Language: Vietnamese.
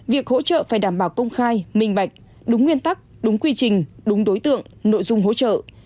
việc hỗ trợ phải đảm bảo công khai minh bạch đúng nguyên tắc đúng quy trình đúng đối tượng nội dung hỗ trợ